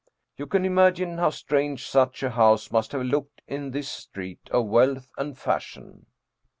You can imagine how strange such a house must have looked in this street of wealth and fashion.